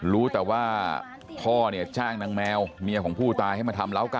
รู้แต่ว่าพอจ้างนางแมวเมียของผู้ตายจะมาทำร้าวไก่